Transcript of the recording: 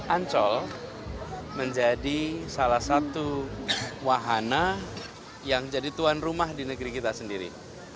ancol menjadi salah satu wahana yang jadi tuan rumah di negeri kita sendiri